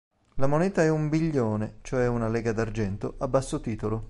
La moneta è un biglione, cioè una lega d'argento a basso titolo.